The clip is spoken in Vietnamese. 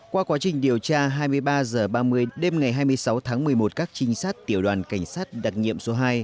qua quá trình điều tra hai mươi ba h ba mươi đêm ngày hai mươi sáu tháng một mươi một các trinh sát tiểu đoàn cảnh sát đặc nghiệm số hai